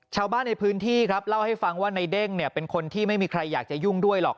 ชาวบ้านในพื้นที่ครับเล่าให้ฟังว่าในเด้งเนี่ยเป็นคนที่ไม่มีใครอยากจะยุ่งด้วยหรอก